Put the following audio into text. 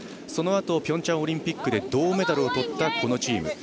そのあとピョンチャンオリンピックで銅メダルをとったこのチーム。